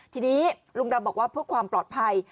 ทีนี้ลุงดำบอกว่าเพื่อความปลอดภัย